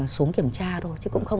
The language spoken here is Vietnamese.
xuống kiểm tra thôi chứ cũng không